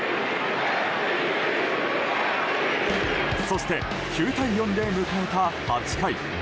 そして９対４で迎えた８回。